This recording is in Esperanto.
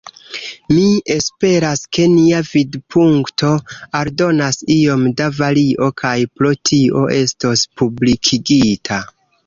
Mi esperas, ke nia vidpunkto aldonas iom da vario kaj pro tio estos publikigita.